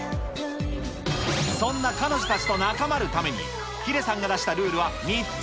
そんな彼女たちとナカマるためにヒデさんが出したルールは３つ。